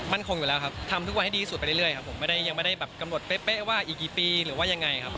มั่นคงอยู่แล้วคับทำให้ดีซุดไปเรื่อยครับผมยังไม่ได้กำหนดเป๊ะว่าอีกกี่ปีหรือว่ายังไงครับผม